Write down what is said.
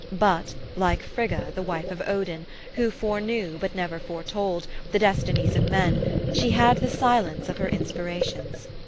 But, like Frigga, the wife of Odin, who foreknew, but never foretold, the destinies of men, she had the silence of her inspirations.